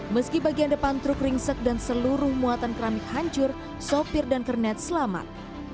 meski bagian depan truk ringsek dan seluruh muatan keramik hancur sopir dan kernet selamat